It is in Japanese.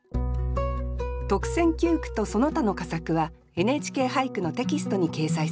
特選九句とその他の佳作は「ＮＨＫ俳句」のテキストに掲載されます。